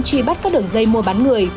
truy bắt các đường dây mua bán người